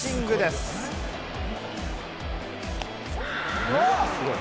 すごい！